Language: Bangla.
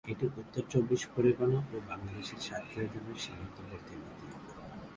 এটি উত্তর চব্বিশ পরগনা ও বাংলাদেশের সাতক্ষীরা জেলার সীমান্তবর্তী নদী।